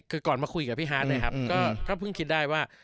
คือก่อนมาคุยกับพี่ฮาร์ดนะครับก็เพิ่งคิดได้ว่า